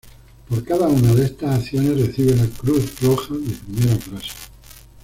Por cada una de estas acciones recibe la Cruz roja de primera clase.